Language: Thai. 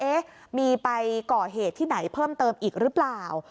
เอ๊ะมีไปก่อเหตุที่ไหนเพิ่มเติมอีกหรือเปล่า